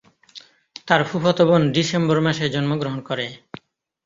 তার ফুফাতো বোন ডিসেম্বর মাসে জন্মগ্রহণ করে।